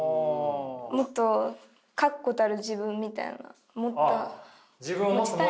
もっと確固たる自分みたいな持ちたい。